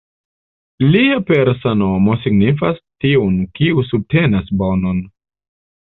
Lia persa nomo signifas ""tiun, kiu subtenas bonon"".